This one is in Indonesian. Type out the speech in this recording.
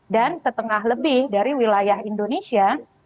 dan setengah lebih dari wilayah indonesia